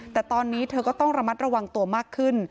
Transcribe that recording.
แต่ตอนนี้เธอก็ต้องระมัดระวังตัวมากขึ้น